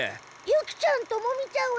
ユキちゃんトモミちゃん